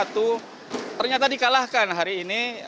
ternyata di kalahkan hari ini